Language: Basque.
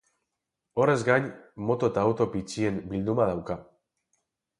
Horrez gain, moto eta auto bitxien bilduma dauka.